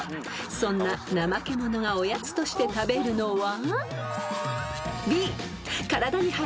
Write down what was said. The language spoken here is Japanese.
［そんなナマケモノがおやつとして食べるのは］